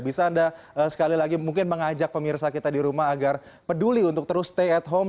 bisa anda sekali lagi mungkin mengajak pemirsa kita di rumah agar peduli untuk terus stay at home